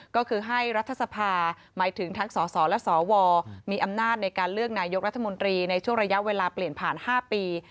ก็คือให้รัฐสภาหมายถึงทั้งสสและสวมีอำนาจในการเลือกนายกรัฐมนตรีในช่วงระยะเวลาเปลี่ยนผ่าน๕ปี